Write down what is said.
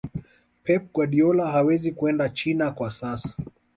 pep guardiola hawezi kwenda china kwa sasa